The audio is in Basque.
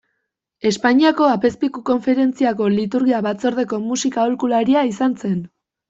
Espainiako Apezpiku Konferentziako Liturgia Batzordeko musika-aholkularia izan zen.